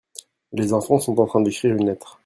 les enfants sont en train d'écrire une lettre.